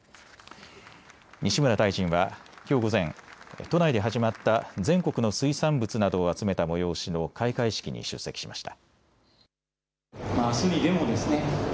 西村大臣はきょう午前、都内で始まった全国の水産物などを集めた催しの開会式に出席しました。